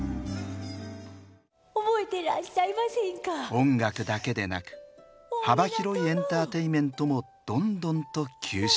音楽だけでなく幅広いエンターテインメントもどんどんと吸収。